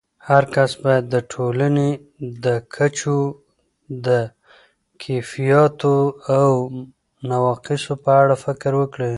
هرکس باید د ټولنې د کچو د کیفیاتو او نواقصو په اړه فکر وکړي.